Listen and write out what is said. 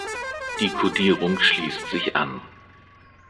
Die Codierung schließt sich an.